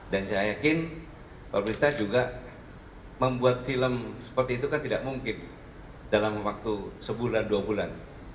dan saya yakin pemerintah juga membuat film seperti itu kan tidak mungkin dalam waktu sebulan dua bulan